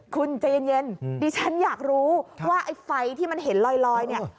คุณใจเย็นดิฉันอยากรู้ว่าไอ้ไฟที่มันเห็นลอยเนี่ย